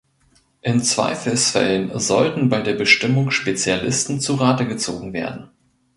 In Zweifelsfällen sollten bei der Bestimmung Spezialisten zu Rate gezogen werden.